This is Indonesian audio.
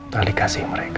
telik kasih mereka